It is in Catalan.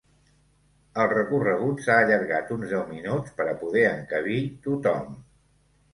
El recorregut s’ha allargat uns deu minuts per a poder encabir tothom.